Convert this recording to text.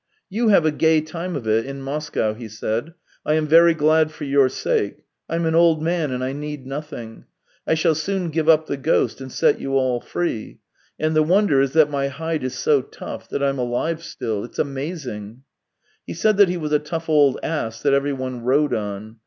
" You have a gay time of it in Moscow," he said. " I am very glad for your sake. ... I'm an old man and I need nothing. I shall soon give up the ghost and set you all free. And the wonder is that my hide is so tough, that I'm alive still ! It's amazing !" He said that he was a tough old ass that every one rode on.